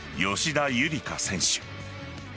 吉田夕梨花選手。